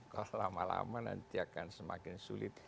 kalau lama lama nanti akan semakin sulit